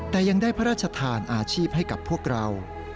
แต่ยังได้พระราชทานอาชีพให้กับพวกเรา